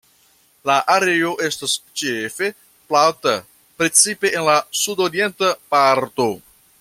La areo estas ĉefe plata, precipe en la sudorienta parto.